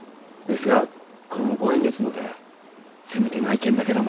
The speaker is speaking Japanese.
ですがこれもご縁ですのでせめて内見だけでも。